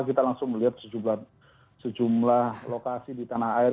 kita langsung melihat sejumlah lokasi di tanah air